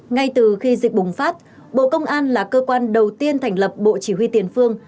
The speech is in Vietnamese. ngay từ khi dịch bùng phát bộ công an là cơ quan đầu tiên thành lập bộ chỉ huy tiền phương